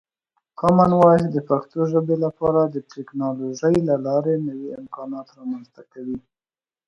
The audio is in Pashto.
کامن وایس د پښتو ژبې لپاره د ټکنالوژۍ له لارې نوې امکانات رامنځته کوي.